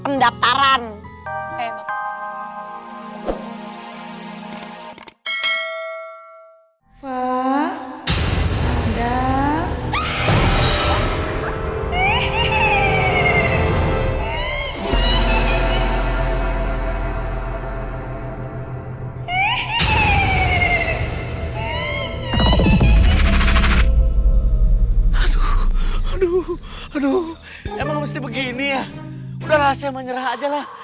udah rahasia menyerah aja lah